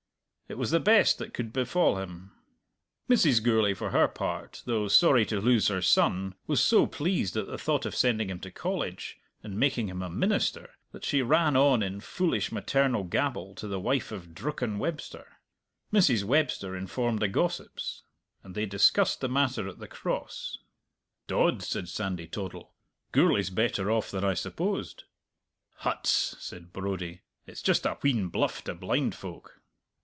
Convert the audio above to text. It was the best that could befall him. Mrs. Gourlay, for her part, though sorry to lose her son, was so pleased at the thought of sending him to college, and making him a minister, that she ran on in foolish maternal gabble to the wife of Drucken Webster. Mrs. Webster informed the gossips, and they discussed the matter at the Cross. "Dod," said Sandy Toddle, "Gourlay's better off than I supposed!" "Huts!" said Brodie, "it's just a wheen bluff to blind folk!"